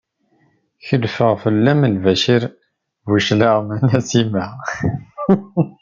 Kelfeɣ fell-am Lbacir Buclaɣem a Nasima!